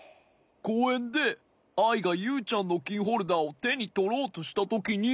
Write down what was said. こうえんでアイがユウちゃんのキーホルダーをてにとろうとしたときに。